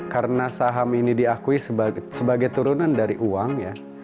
karena saham ini diakui sebagai turunan dari uang